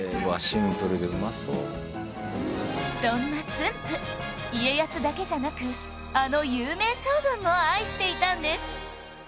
そんな駿府家康だけじゃなくあの有名将軍も愛していたんです